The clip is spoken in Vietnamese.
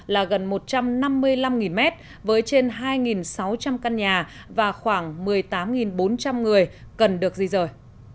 là gần một trăm năm mươi năm mét với trên hai sáu trăm linh căn nhà và khoảng một mươi tám bốn trăm linh người cần được di rời